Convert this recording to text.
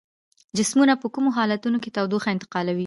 جسمونه په کومو حالتونو کې تودوخه انتقالوي؟